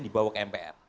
dibawa ke mpr